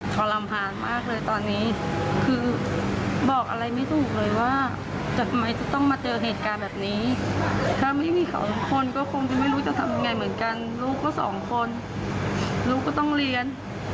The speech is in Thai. ทรลำพานมากเลยตอนนี้คือบอกอะไรไม่ถูกเลยว่าทำไมจะต้องมาเจอเหตุการณ์แบบนี้ถ้าไม่มีเขาทุกคนก็คงจะไม่รู้จะทำยังไงเหมือนกันลูกก็สองคนลูกก็ต้องเรียน